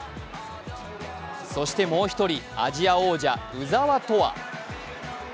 そしてもう１人、アジア王者、鵜澤飛羽。